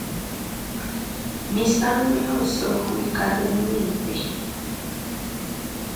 Misangu yonso kuikala muimpe.